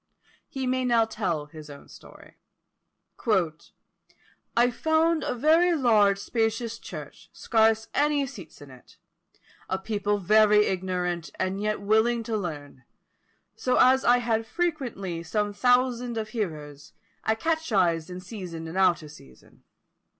He may now tell his own story. "I found a very large spacious church, scarce any seats in it; a people very ignorant, and yet willing to learn; so as I had frequently some thousands of hearers, I catechised in season and out of season.